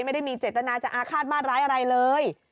ไม่ได้มีเจตนาจะอาฆาตมาดร้ายอะไรเลย